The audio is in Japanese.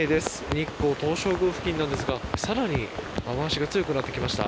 日光東照宮付近なんですが更に雨脚が強くなってきました。